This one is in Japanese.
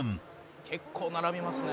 「結構並びますね」